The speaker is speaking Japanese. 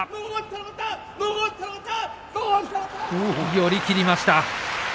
寄り切りました。